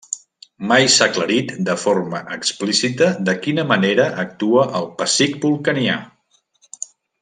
Mai s'ha aclarit de forma explícita de quina manera actua el pessic vulcanià.